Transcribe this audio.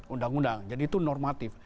undang undang jadi itu normatif